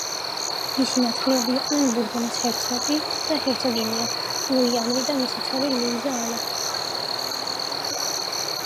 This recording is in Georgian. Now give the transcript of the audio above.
მისი ნათლიები იყვნენ ბურბონის ჰერცოგი და ჰერცოგინია ლუი ანრი და მისი ცოლი ლუიზა ანა.